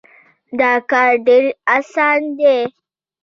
دا کار ډېر اسان دی.